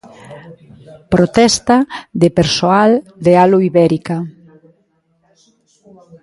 Protesta de persoal de Alu Ibérica.